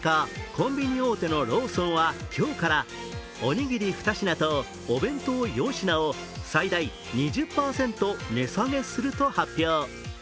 コンビニ大手のローソンは今日からおにぎり２品とお弁当４品を最大２０％値下げすると発表。